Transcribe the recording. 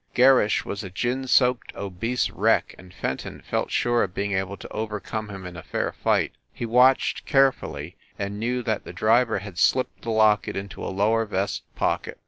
Gerrish was a gin soaked obese wreck, and Fenton felt sure of being able to overcome him in a fair fight. He watched carefully, and knew that the driver had slipped the locket into a lower vest pocket.